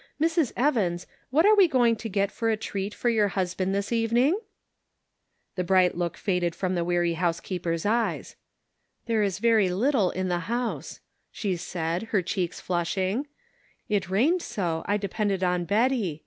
Mrs. Evans, what are we going to get for a treat for your husband this evening ?" The bright look faded from the weary house keeper's eyes. " There is very little in the house," she said, her cheeks flushing ;" it rained so I depended on Betty.